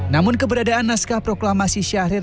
namun keberadaan naskah proklamasi syahrir